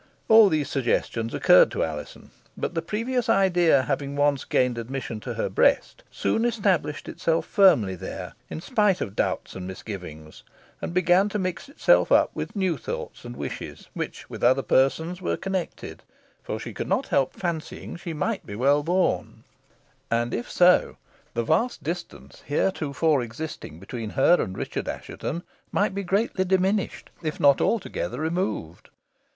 All these suggestions occurred to Alizon, but the previous idea having once gained admission to her breast, soon established itself firmly there, in spite of doubts and misgivings, and began to mix itself up with new thoughts and wishes, with which other persons were connected; for she could not help fancying she might be well born, and if so the vast distance heretofore existing between her and Richard Assheton might be greatly diminished, if not altogether removed.